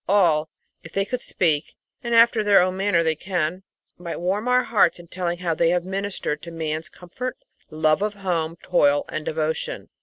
All, if they could speak (and after their own manner they can) might warm our hearts in telling how they have ministered to man's com fort, love of home, toil, and devotion.